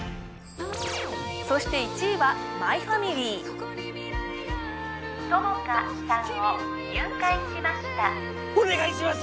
そして１位は「マイファミリー」友果さんを誘拐しましたお願いします！